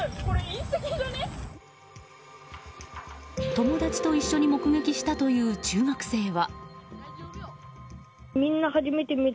友達と一緒に目撃したという中学生は。